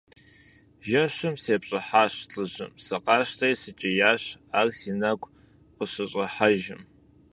Жэщым сепщӀыхьащ лӀыжьым, сыкъащтэри сыкӀиящ, ар си нэгу къыщыщӀыхьэжым.